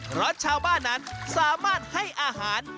เพราะชาวบ้านนั้นสามารถให้อาหาร